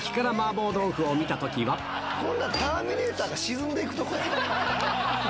こんなん、ターミネーターが沈んでいくとこやん。